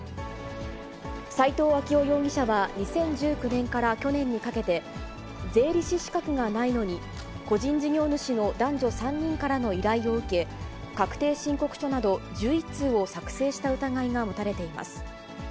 斉藤明雄容疑者は２０１９年から去年にかけて、税理士資格がないのに、個人事業主の男女３人からの依頼を受け、確定申告書など１１通を作成した疑いが持たれています。